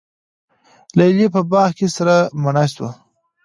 لیلی په باغ کي سره مڼه شوه